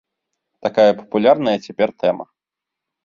Такая папулярная цяпер тэма.